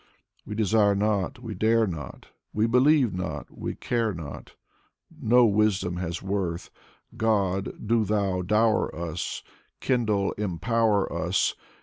We desire not, we dare not, We believe not, we care not, No wisdom has worth. God, do thou dower us. Kindle, empower us.